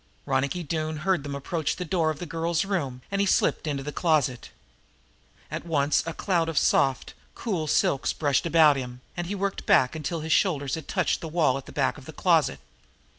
Ronicky Doone heard them approach the door of the girl's room, and he slipped into the closet. At once a cloud of soft, cool silks brushed about him, and he worked back until his shoulders had touched the wall at the back of the closet.